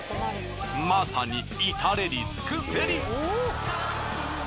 まさに至れり尽くせり。